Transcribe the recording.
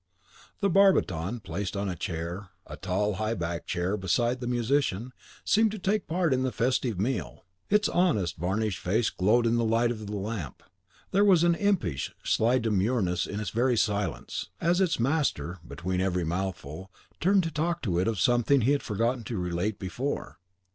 The barbiton, placed on a chair a tall, high backed chair beside the musician, seemed to take a part in the festive meal. Its honest varnished face glowed in the light of the lamp; and there was an impish, sly demureness in its very silence, as its master, between every mouthful, turned to talk to it of something he had forgotten to relate before.